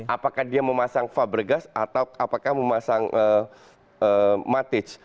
apakah dia memasang fabregas atau apakah memasang matic